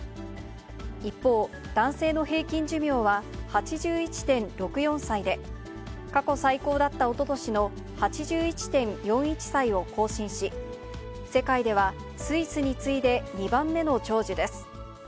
一方、男性の平均寿命は８１．６４歳で、過去最高だったおととしの８１．４１歳を更新し、世界ではスイスに次いで２番目の長寿です。